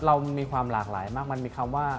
เรามีความหลากหลายมากมันมีคำว่า